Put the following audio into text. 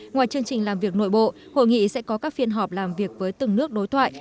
ngoài chương trình làm việc nội bộ hội nghị sẽ có các phiên họp làm việc với từng nước đối thoại